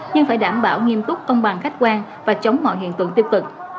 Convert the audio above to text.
nhưng phải đảm bảo nghiêm túc công bằng khách quan và chống mọi hiện tượng tiếp tục